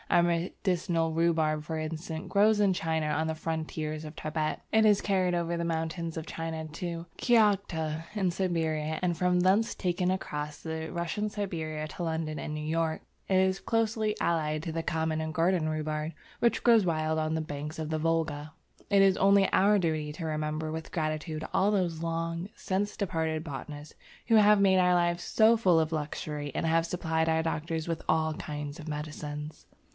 Our medicinal rhubarb for instance, grows in China on the frontiers of Tibet; it is carried over the mountains of China to Kiaghta in Siberia, and from thence taken right across Russian Siberia to London and New York. It is closely allied to the common or garden rhubarb, which grows wild on the banks of the Volga. It is only our duty to remember with gratitude all those long since departed botanists who have made our life so full of luxury and have supplied our doctors with all kinds of medicines.